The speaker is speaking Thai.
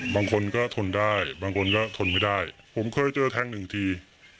บางคนก็ทนได้บางคนก็ทนไม่ได้ผมเคยเจอแทงหนึ่งที